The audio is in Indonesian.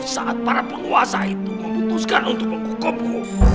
saat para penguasa itu memutuskan untuk menghukummu